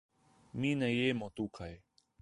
Mi ne jemo tukaj.